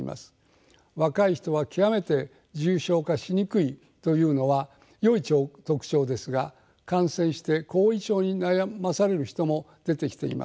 若い人は極めて重症化しにくいというのはよい特徴ですが感染して後遺症に悩まされる人も出てきています。